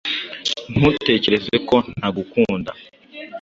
Ntutekereze ko ntagukunda.